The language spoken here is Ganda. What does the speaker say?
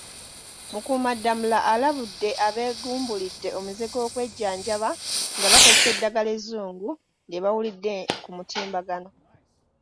Mukuumaddamula alabudde abeegumbulidde omuze gw’okwejjanjaba nga bakozesa eddagala ezzungu lye bawulidde ku mutimbagano.